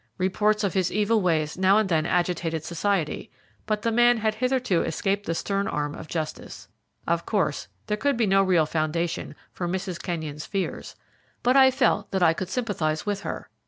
Reports of his evil ways now and then agitated society, but the man had hitherto escaped the stern arm of justice. Of course, there could be no real foundation for Mrs. Kenyon's fears, but I felt that I could sympathize with her.